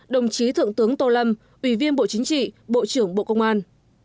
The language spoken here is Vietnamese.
một mươi bốn đồng chí thượng tướng tô lâm ủy viên bộ chính trị bộ trưởng bộ công an